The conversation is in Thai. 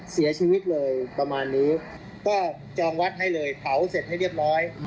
เสียชีวิตเลยประมาณนี้ก็จองวัดให้เลยเผาเสร็จให้เรียบร้อย